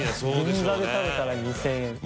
「銀座で食べたら２０００円」飯尾）